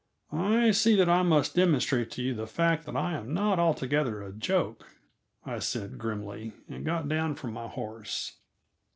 "I see that I must demonstrate to you the fact that I am not altogether a joke," I said grimly, and got down from my horse.